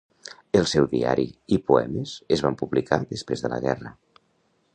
El seu diari i poemes es van publicar després de la guerra.